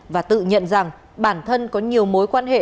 và tự nhận rằng bản thân có nhiều mối quan hệ